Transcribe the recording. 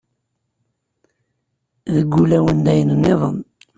Deg ulawen d ayen nniḍen.